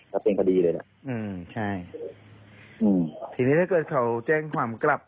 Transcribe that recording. คดีที่ว่าถ้าเรายืนอย่างนั้น